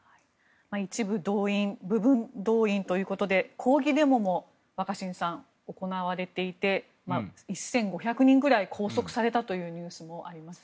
一部動員部分動員ということで抗議デモも若新さん、行われていて１５００人くらい拘束されたというニュースもあります。